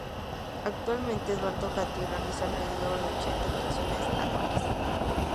Actualmente Eduardo Gatti realiza alrededor de ochenta actuaciones anuales.